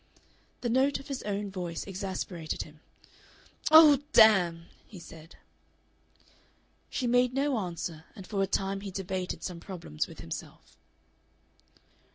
The note of his own voice exasperated him. "Oh, damn!" he said. She made no answer, and for a time he debated some problems with himself.